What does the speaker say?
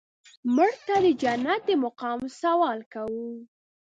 مړه ته د جنت د مقام سوال کوو